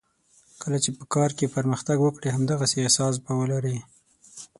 کله چې په کار کې پرمختګ وکړې همدغسې احساس به ولرې.